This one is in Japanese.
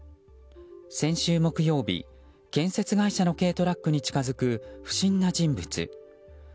先週木曜日、建設会社の軽トラックに近づく不審な人物。